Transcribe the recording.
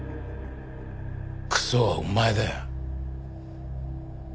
クソはお前だよ。